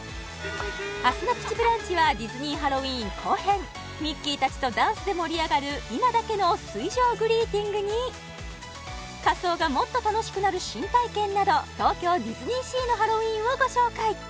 明日の「プチブランチ」はディズニー・ハロウィーン後編ミッキーたちとダンスで盛り上がる今だけの水上グリーティングに仮装がもっと楽しくなる新体験など東京ディズニーシーのハロウィーンをご紹介！